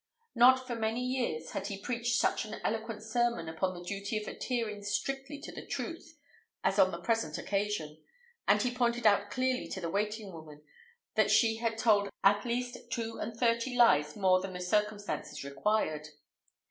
Not for many years had he preached such an eloquent sermon upon the duty of adhering strictly to the truth as on the present occasion; and he pointed out clearly to the waiting woman that she had told at least two and thirty lies more than the circumstances required.